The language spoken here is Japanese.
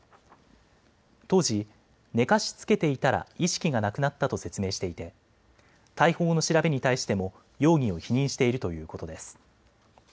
当時、寝かしつけていたら意識がなくなったと説明していて逮捕後の調べに対しても容疑を否認しているということです。